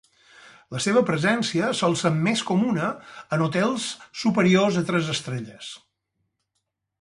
La seva presència sol ser més comuna en hotels superiors a tres estrelles.